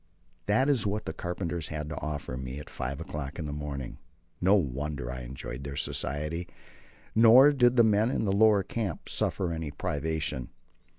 That is what the carpenters had to offer me at five o'clock in the morning. No wonder I enjoyed their society. Nor did the men in the lower camp suffer any privation.